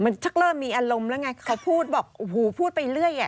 มันชักเริ่มมีอารมณ์แล้วไงเขาพูดบอกโอ้โหพูดไปเรื่อยอ่ะ